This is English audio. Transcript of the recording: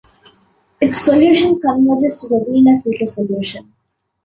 Its solution converges to the Wiener filter solution.